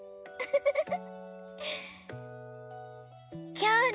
フフフ。